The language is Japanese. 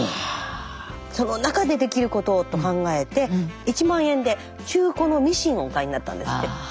その中でできることをと考えて１万円で中古のミシンをお買いになったんですって。